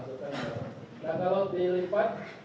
nah kalau dilipat